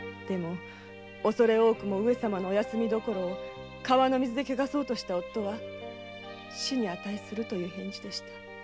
でも上様のお休み所を川の水で汚そうとした夫は死に価するという返事でした。